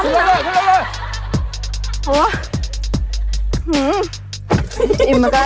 อิ่มเหมือนกัน